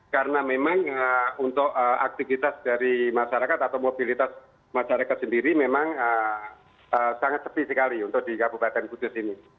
karena memang untuk aktivitas dari masyarakat atau mobilitas masyarakat sendiri memang sangat sepi sekali untuk di kabupaten kudus ini